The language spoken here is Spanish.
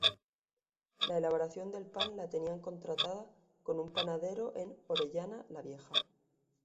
La elaboración del pan la tenían contratada con un panadero en Orellana la Vieja.